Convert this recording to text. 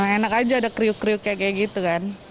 enak aja ada kriuk kriuk kayak gitu kan